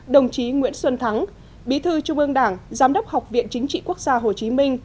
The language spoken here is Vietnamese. đồng chí nguyễn xuân thắng bí thư trung ương đảng giám đốc học viện chính trị quốc gia hồ chí minh